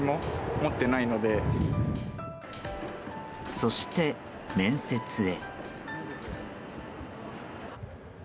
そして面接へ。